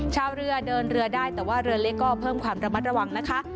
ชาวเรือเดินเรือได้แต่ว่าเรือเล็กก็เพิ่มความระมัดระวังนะคะ